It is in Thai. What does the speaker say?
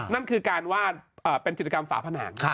นั่นคือการวาดเป็นจิตกรรมฝาผนัง